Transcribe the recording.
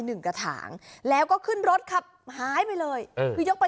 หนึ่งกระถางแล้วก็ขึ้นรถขับหายไปเลยเออคือยกไป